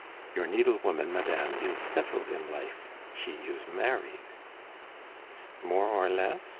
Your needle woman, madame, is settled in life; she is married " "More or less?"